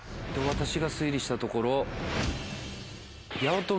私が推理したところ。